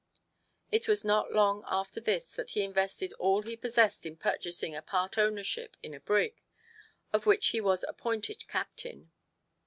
It was not long after this that he invested all he possessed in purchasing a part ownership in a brig, of which he was appointed captain.